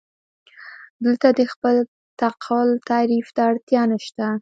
دلته د خپل تعقل تعریف ته اړتیا نشته.